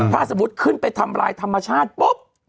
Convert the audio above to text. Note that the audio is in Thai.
ถ้าสมมุติขึ้นไปทำลายธรรมชาติปุ๊บ